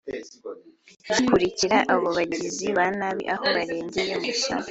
zikurikira abo bagizi ba nabi aho barengeye mu ishyamba